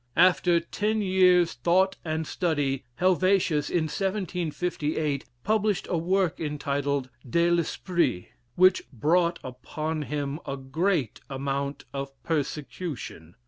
After ten years' thought and study Helvetius in 1758, published a work entitled "De L'Esprit," which brought upon him a great amount of persecution.